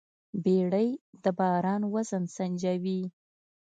بیړۍ د بار وزن سنجوي.